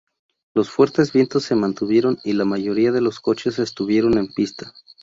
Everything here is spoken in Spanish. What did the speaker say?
Los fuertes vientos se mantuvieron y la mayoría de los coches estuvieron en pista.